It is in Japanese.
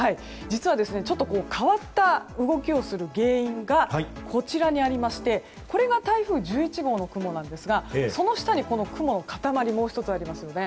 実は、ちょっと変わった動きをする原因がこちらにありましてこちらが台風１１号の雲ですがその下に雲の塊がもう１つありますよね。